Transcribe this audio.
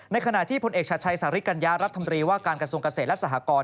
ขณะที่พลเอกชัดชัยสาริกัญญารัฐมนตรีว่าการกระทรวงเกษตรและสหกร